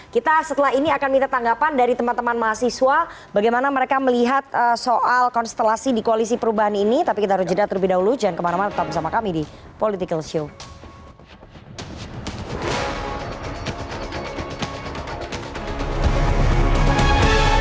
kita setelah ini akan minta tanggapan dari teman teman mahasiswa bagaimana mereka melihat soal konstelasi di koalisi perubahan ini tapi kita harus jeda terlebih dahulu jangan kemana mana tetap bersama kami di political show